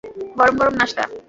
গরম গরম নাস্তা।